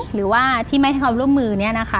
หรือว่าที่ไม่ทำร่วมมือนี้นะคะ